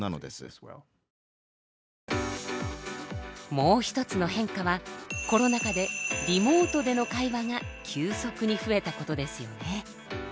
もう一つの変化はコロナ禍でリモートでの会話が急速に増えたことですよね。